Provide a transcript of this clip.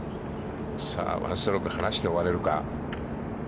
さあ、１ストローク離して終われるか。